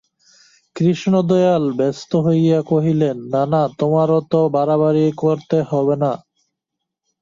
কৃষ্ণদয়াল ব্যস্ত হইয়া কহিলেন, না না, তোমার অত বাড়াবাড়ি করতে হবে না।